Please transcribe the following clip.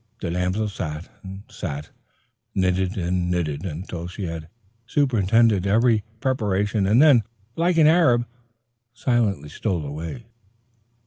The damsel sat and sat, knitted and knitted, until she had superintended every preparation, and then, like an Arab, silently stole away.